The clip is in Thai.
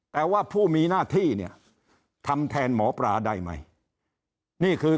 แต่ว่าผู้มีหน้าที่เนี่ยทำแทนหมอปลาได้ไหมนี่คือ